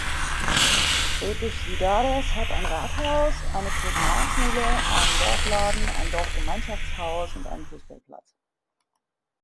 Sete Cidades hat ein Rathaus, eine Primarschule, einen Dorfladen, ein Dorfgemeinschaftshaus und einen Fußballplatz.